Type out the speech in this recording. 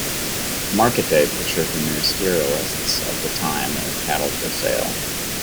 "Market-Day" pictures the ministerialists of the time as cattle for sale.